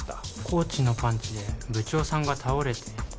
コーチのパンチで部長さんが倒れて。